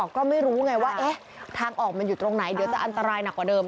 ก็ไม่รู้ไงว่าแทนความจะตรงไหนเพราะจะการอันตรายไหม